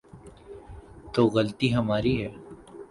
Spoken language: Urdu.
تو غلطی ہماری ہے۔